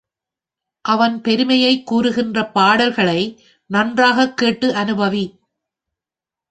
அவன் பெருமையைக் கூறுகின்ற பாடல்களை நன்றாகக் கேட்டு அநுபவி.